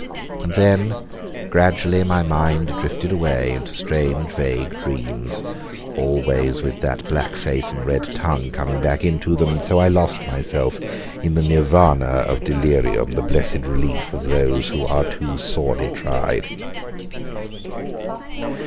And then gradually my mind drifted away into strange vague dreams, always with that black face and red tongue coming back into them, and so I lost myself in the nirvana of delirium, the blessed relief of those who are too sorely tried.